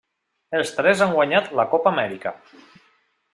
Els tres han guanyat la Copa Amèrica.